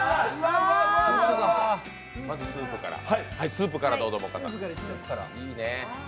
スープからどうぞ。